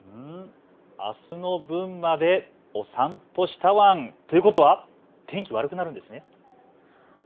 あすの分までお散歩したワン！ということは天気が悪くなるんですね。